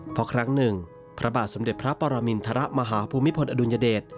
เพราะครั้งหนึ่งพระบาทสมเด็จพระปรมินทรมาฮภูมิพลอดุลยเดช